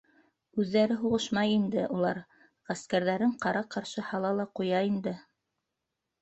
— Үҙҙәре һуғышмай инде улар, ғәскәрҙәрен ҡара-ҡаршы һала ла ҡуя инде.